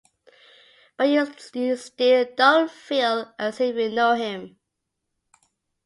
But you still don’t feel as if you know him.